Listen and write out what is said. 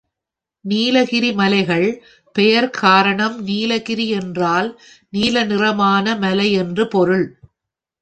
நீலகிரி மலைகள் பெயர்க் காரணம் நீலகிரி என்றால் நீல நிறமான மலை என்று பொருள்.